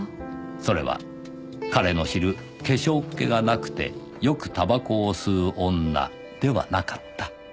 それは“彼”の知る「化粧っ気がなくてよくたばこを吸う女」ではなかった